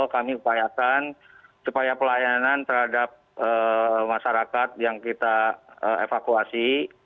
kami upayakan supaya pelayanan terhadap masyarakat yang kita evakuasi